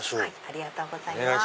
ありがとうございます。